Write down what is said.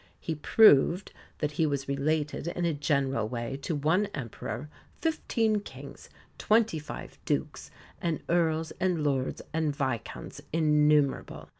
He proved that he was related in a general way to one emperor, fifteen kings, twenty five dukes, and earls and lords and viscounts innumerable.